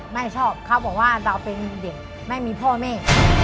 ไม่ชอบเขาบอกว่าเราเป็นเด็กไม่มีพ่อแม่